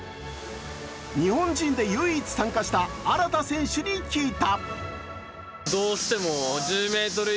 日本人で唯一参加した荒田選手に聞いた。